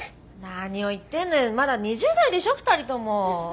何を言ってんのよまだ２０代でしょ２人とも。